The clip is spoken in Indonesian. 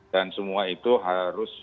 dan semua itu harus diatur